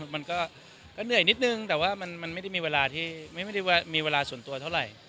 มันก็เหนื่อยนิดนึงแต่ว่ามันไม่ได้มีเวลาส่วนตัวเท่าไหร่